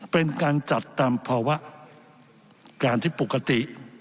เป็นการจัดตามภาวะการที่ปกติ